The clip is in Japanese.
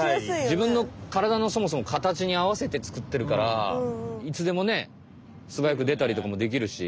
じぶんの体のそもそもかたちにあわせてつくってるからいつでもねすばやくでたりとかもできるし。